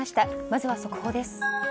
まずは速報です。